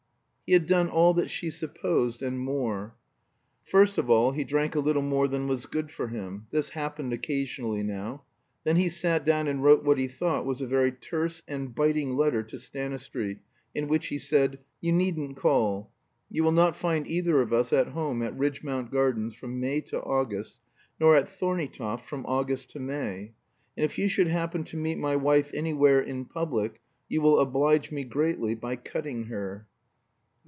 He had done all that she supposed, and more. First of all, he drank a little more than was good for him; this happened occasionally now. Then he sat down and wrote what he thought was a very terse and biting letter to Stanistreet, in which he said: "You needn't call. You will not find either of us at home at Ridgmount Gardens from May to August, nor at Thorneytoft from August to May. And if you should happen to meet my wife anywhere in public, you will oblige me greatly by cutting her."